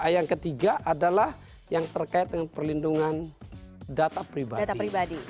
yang ketiga adalah yang terkait dengan perlindungan data pribadi